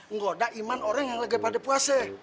nggak ada iman orang yang lebih pada puasa